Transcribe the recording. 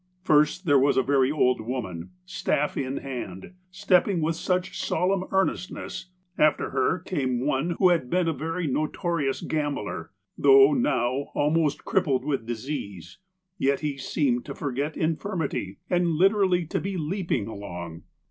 " First, there was a very old woman, staff in hand, stepping with such solemn earnestness ; after her came one who had been a very notorious gambler ; though now almost crippled with disease, yet he seemed to forget infirmity, and literally to be leaping along.